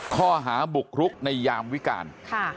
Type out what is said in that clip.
ข้อหาบุกรุกในยามวิการ